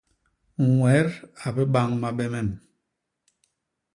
Ñwet a bibañ mabe mem.